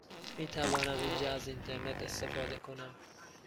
می توانم اینجا از اینترنت استفاده کنم؟